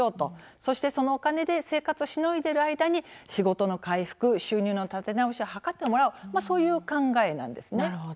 そして、そのお金で生活をしのいでいる間に仕事の回復収入の立て直しを図ってもらおうと、そういう考えなんです。